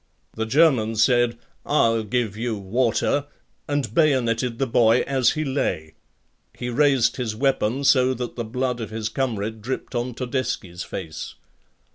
The German said, "I'll give you water" and bayoneted the boy as he lay. He raised his weapon so that the blood of his comrade dripped on Todeschi's face.